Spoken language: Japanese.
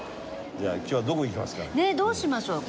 じゃあ今日はどこへ行きますかね？